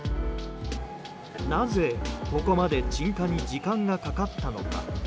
なぜ、ここまで鎮火に時間がかかったのか。